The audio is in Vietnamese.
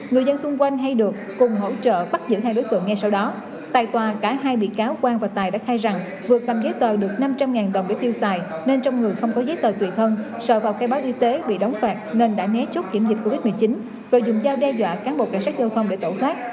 người dân xung quanh hay được cùng hỗ trợ bắt giữ hai đối tượng ngay sau đó tại tòa cả hai bị cáo quang và tài đã khai rằng vừa làm giấy tờ được năm trăm linh đồng để tiêu xài nên trong người không có giấy tờ tùy thân sợ vào khai báo y tế bị đóng phạt nên đã né chốt kiểm dịch covid một mươi chín rồi dùng dao đe dọa cán bộ cảnh sát giao thông để tẩu thoát